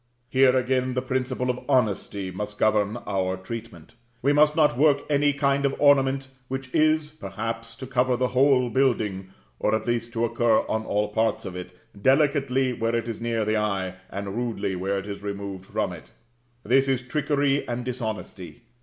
Here, again, the principle of honesty must govern our treatment: we must not work any kind of ornament which is, perhaps, to cover the whole building (or at least to occur on all parts of it) delicately where it is near the eye, and rudely where it is removed from it. That is trickery and dishonesty.